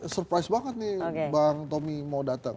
surprise banget nih bang tommy mau datang